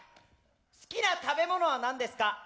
好きな食べ物は何ですか？